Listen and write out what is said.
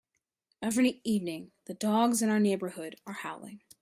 Every evening, the dogs in our neighbourhood are howling.